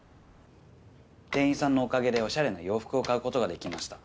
店員さんのおかげでおしゃれな洋服を買うことができました。